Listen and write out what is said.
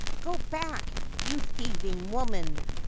' Go back, you thieving woman